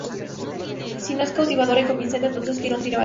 Si no es cautivadora y convincente, entonces no tiene valor.